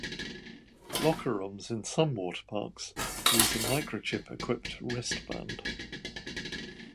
Locker rooms in some waterparks use a microchip equipped wristband.